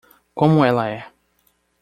Como ela é?